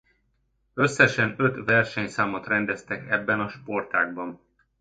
Összesen öt versenyszámot rendeztek ebben a sportágban.